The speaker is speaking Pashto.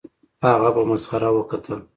هغه په مسخره وکتل